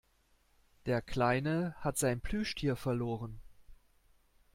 Der Kleine hat sein Plüschtier verloren.